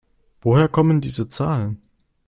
Woher kommen diese Zahlen?